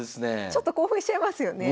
ちょっと興奮しちゃいますよね。